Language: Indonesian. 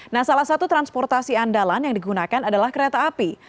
nah salah satu transportasi andalan yang digunakan adalah kereta api